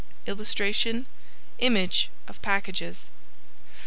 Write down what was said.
] [Illustration: Image of packages.